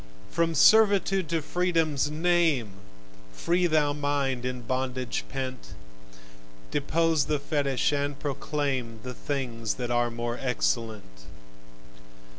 From servitude to freedom's name Free thou thy mind in bondage pent; Depose the fetich, and proclaim The things that are more excellent.